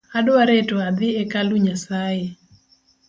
Adwa reto adhii e kalu Nyasae